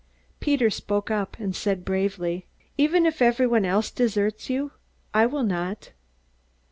Peter spoke up, and said bravely, "Even if everyone else deserts you, I will not!"